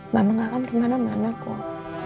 mama gak akan kemana mana kok